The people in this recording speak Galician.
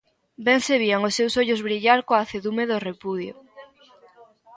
Ben se vían os seus ollos brillar coa acedume do repudio.